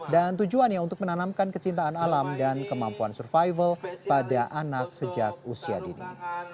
dan tujuannya untuk menanamkan kecintaan alam dan kemampuan survival pada anak sejak usia dini